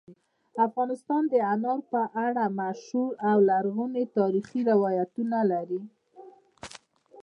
افغانستان د انارو په اړه مشهور او لرغوني تاریخی روایتونه لري.